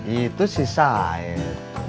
itu si saib